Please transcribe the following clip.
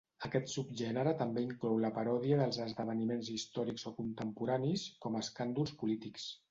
Aquest subgènere també inclou la paròdia dels esdeveniments històrics o contemporanis, com escàndols polítics.